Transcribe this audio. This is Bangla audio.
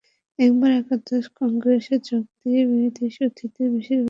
এবার একাদশ কংগ্রেসে যোগ দিতে বিদেশি অতিথিদের বেশির ভাগই ঢাকায় এসে পৌঁছেছেন।